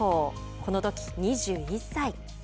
このとき、２１歳。